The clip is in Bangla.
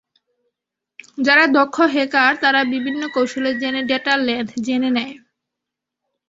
যারা দক্ষ হ্যাকার, তারা বিভিন্ন কৌশলে জেনে ডেটা লেন্থ জেনে নেয়।